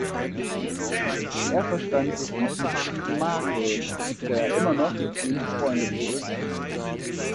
Er verstand sich gut mit Steven Markel, der immer noch mit ihm befreundet ist.